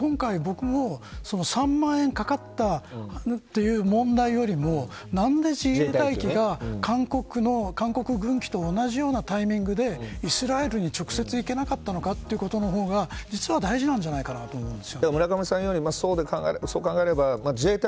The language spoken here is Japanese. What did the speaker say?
ですから今回僕も３万円かかったという問題よりも何で自衛隊機が韓国軍機と同じようなタイミングでイスラエルに直接行けなかったのかということの方が実は大事なんじゃないかと思うんです。